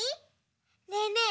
ねえねえ